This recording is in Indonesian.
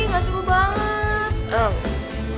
gak seru banget